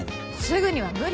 すぐには無理。